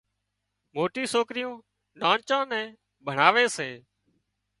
موٽِي سوڪريون نانچان نين ڀڻاوي سي